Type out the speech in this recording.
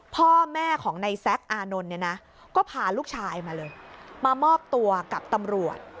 พ่อแม่ของในแซ็กอานนท์เนี่ยนะก็พาลูกชายมาเลยมามอบตัวกับตำรวจ